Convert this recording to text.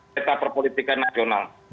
kita perpolitikan nasional